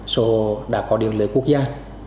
số hồ đã có điện lợi quốc gia